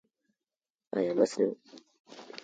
ایا مصنوعي ځیرکتیا د فرهنګي هویت بدلون نه چټکوي؟